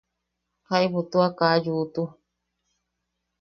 Jaibu tua kaa a yuutu.